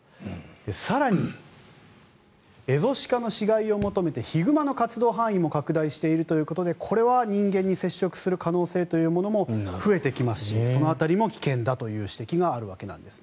更に、エゾシカの死骸を求めてヒグマの活動範囲も拡大しているということでこれは人間に接触する可能性というものも増えてきますし、その辺りも危険だという指摘があるわけなんです。